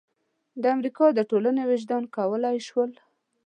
د امریکا د ټولنې وجدان وکولای شول.